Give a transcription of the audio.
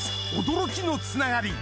驚きのつながり